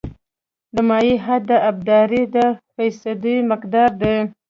د مایع حد د ابدارۍ د فیصدي مقدار دی